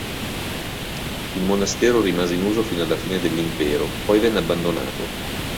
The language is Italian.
Il monastero rimase in uso fino alla fine dell'Impero, poi venne abbandonato.